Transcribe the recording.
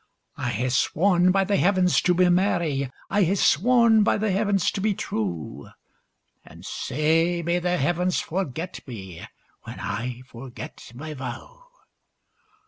I hae sworn by the Heavens to my Mary,I hae sworn by the Heavens to be true; And sae may the Heavens forget me, When I forget my vow!